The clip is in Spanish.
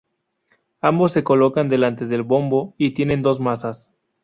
Ambos se colocan delante del bombo y tienen dos mazas.